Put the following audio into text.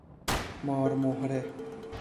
مار مهره